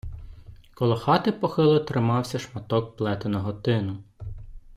Коло хати похило тримався шматок плетеного тину.